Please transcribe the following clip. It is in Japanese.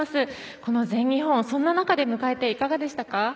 この全日本、そんな中で迎えていかがでしたか？